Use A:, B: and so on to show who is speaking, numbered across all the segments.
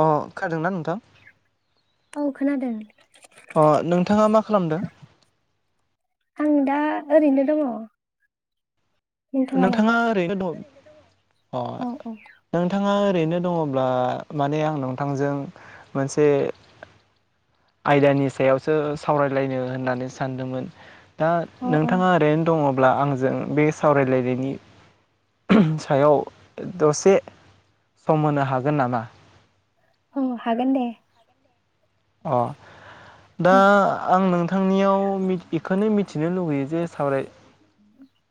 A: अ खोनादोंना नोंथां?
B: औ खोनादों ।
A: अ नोंथाङा मा खालामदों
B: आं दा ओरैनो दङ ।
A: नोंथाङा ओरैनो दं अ
B: औ औ
A: नोंथाङा ओरैनो दङब्ला माने आं नोंथांजों मोनसे आयदानि सायावसो सावरायलायनो होननानै सानदोंमोन दा
B: अ अ
A: नोंथाङा ओरैनो दङ ब्ला आंजों बे सावरायलायनायनि सायाव दसे सम होनो हागोन नामा?
B: औ हागोन दे ।
A: अ दा आं नों थांनियाव मि इखोनो मिथि नो लुुबैयो जे सावराय
B: [inaudible]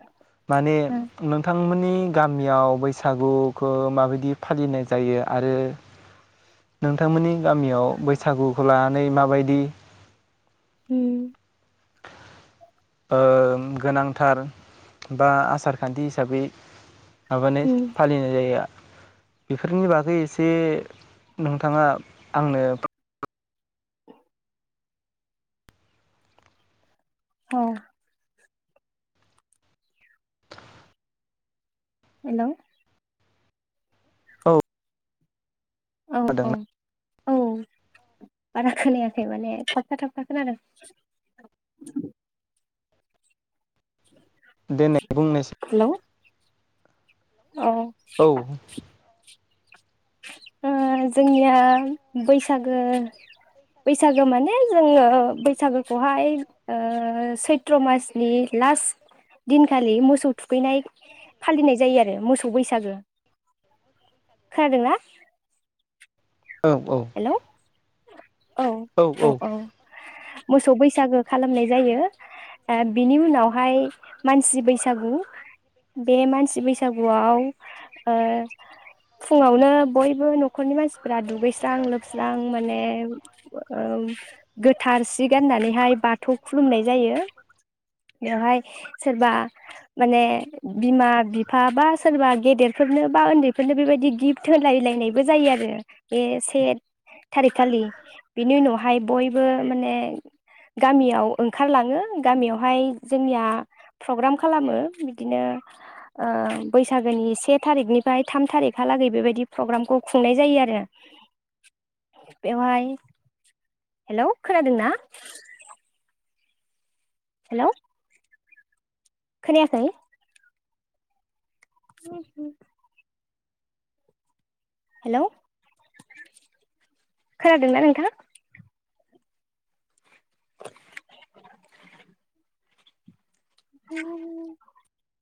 A: माने
B: ओं
A: नोंथांमोननि गामियाव बैसागुखौ माबायदि फालिनाय जायो आरो नोंथांमोननि गामियाव बैसागुखौ लानानै माबायदि
B: होम ।
A: ओम गोनांथार बा आसारखान्थि हिसाबै माबानाय
B: उम
A: फालिनाय जायो बेफोरनि बागै एसे नोंथाङा आंनो
B: [inaudible] औ हेलौ
A: औ
B: औ औ
A: [unintelligible]
B: औ बारा खोनायाखै माने थाबथा थाबथा खोनादों
A: दे नाइ बुंनोसा
B: हेलौ औ [unintelligible] ओ जोंनिया बैसागो बैसागो माने जोङो बैसागोखौहाय सैथ्र' मासनि लास्ट दिनखालि मोसौ थुखैनाय फालिनाय जायो आरो मोसौ बैसागो खोनादोंना?
A: औ औ
B: हेलौ
A: औ औ
B: मोसौ बैसागो खालामनाय जायो ओ बिनि उनावहाय मानसि बैसागु बे मानसि बैसागुआव ओ फुङावनो बयबो न'खरनि मानसिफ्रा दुगै स्रां लोबस्रां माने ओ गोथार सि गाननानैहाय बाथौ खुलुमनाय जायो बेवहाय सोरबा माने बिमा बिफा बा सोरबा गेदेरफोरनो बा उन्दैफोरनो बेबायदि गिफ्ट होलायलायनायबो जायो आरो बे [unintelligible] थारिक खालि बिनि उनावहाय बयबो माने गामियाव ओंखारलाङो गामियावहाय जोंनिया प्रग्राम खालामो बिदिनो ओ बैसागोनि से थारिखनिफ्राय थाम थारिखहालागै बेबायदि प्रग्रामखौ खुंनाय जायो आरो बेवहाय हेलौ खोनादोंना? हेलौ खोनायाखै? हो हो हेलौ खोनादों ना नोंथां? [unintelligible]